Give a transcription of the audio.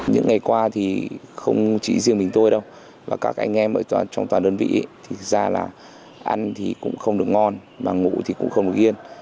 những ngày qua thì không chỉ riêng mình tôi đâu và các anh em ở trong toàn đơn vị thì thực ra là ăn thì cũng không được ngon mà ngủ thì cũng không được yên